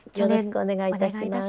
お願いいたします。